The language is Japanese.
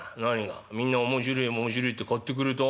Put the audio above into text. みんな面白え面白えって買ってくれた？